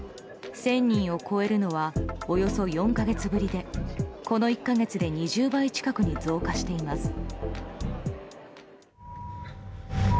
１０００人を超えるのはおよそ４か月ぶりでこの１か月で２０倍近くに増加しています。